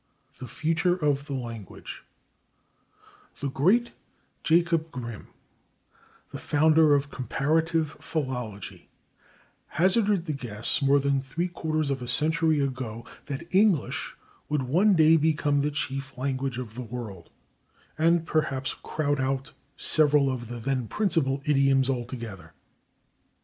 " § 3 /The Future of the Language/ The great Jakob Grimm, the founder of comparative philology, hazarded the guess more than three quarters of a century ago that English would one day become [Pg313] the chief language of the world, and perhaps crowd out several of the then principal idioms altogether.